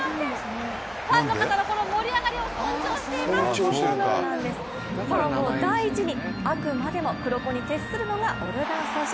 実はそのときファンを第一に、あくまでも黒子に徹するのがオルガン奏者。